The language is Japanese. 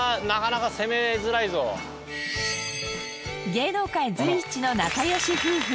芸能界随一の仲良し夫婦